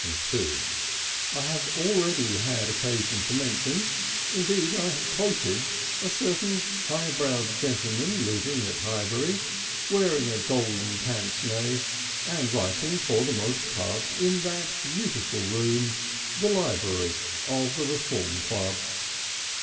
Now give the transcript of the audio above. III I have already had occasion to mention, indeed I have quoted, a certain high browed gentleman living at Highbury, wearing a golden pince nez and writing for the most part in that beautiful room, the library of the Reform Club.